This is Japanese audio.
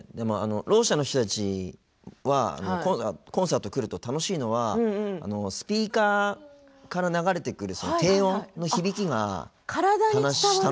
ろう者の人たちはコンサート来ると楽しいのはスピーカーから流れてくる低音の響きが、楽しい。